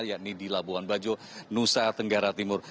yakni di labuan bajo nusa tenggara timur